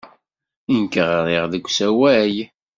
Nekk ɣriɣ-d s usawal.